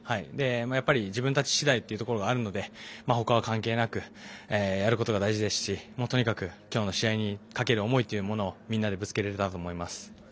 やっぱり自分たちしだいというところがありますのでほかは関係なくやることが大切ですし今日の試合にかける思いというのをぶつけられたらと思います。